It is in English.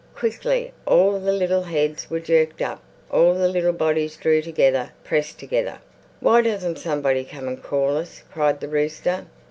Quickly all the little heads were jerked up; all the little bodies drew together, pressed together. "Why doesn't somebody come and call us?" cried the rooster.